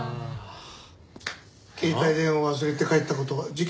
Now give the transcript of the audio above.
携帯電話忘れて帰った事が事件ですかね？